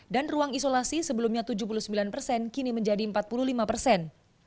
dan ruang isolasi sebelumnya tujuh puluh sembilan persen kini menjadi empat puluh lima persen